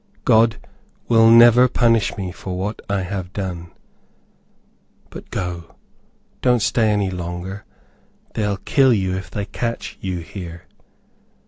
God will never punish me for what I have done. But go; don't stay any longer; they'll kill you if they catch you here."